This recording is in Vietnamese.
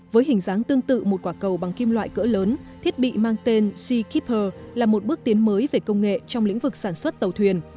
với hình dáng tương tự một quả cầu bằng kim loại cỡ lớn thiết bị mang tên sea keeper là một bước tiến mới về công nghệ trong lĩnh vực sản xuất tàu thuyền